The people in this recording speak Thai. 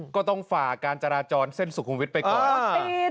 ก็ต้องฝ่าการจราจรเส้นสุขุมวิทย์ไปก่อน